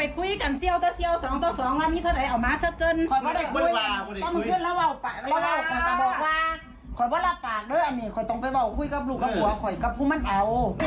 ค่อยต้องไปบอกว่าคุยกับลูกกับหัวค่อยกับผู้มันเอา